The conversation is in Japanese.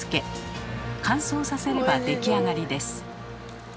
乾燥させれば出来上がりです。